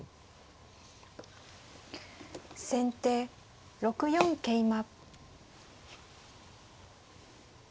先手６四桂馬。